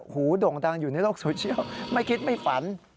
โด่งดังอยู่ในโลกโซเชียลไม่คิดไม่ฝัน